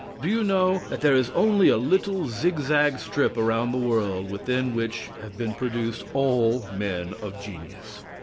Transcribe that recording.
Do you know that there is only a little zig zag strip around the world within which have been produced all men of genius?